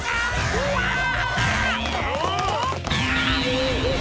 うわっ！